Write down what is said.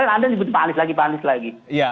saya sudah menyebutnya anda menyebut pak anies lagi